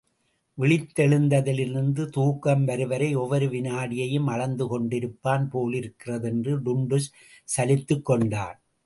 விழித்தெழுந்ததிலிருந்து தூக்கம் வரும்வரை ஒவ்வொரு வினாடியையும் அளந்து கொண்டிருப்பான் போலிருக்கிறது என்று டுன்டுஷ் சலித்துக் கொண்டான்.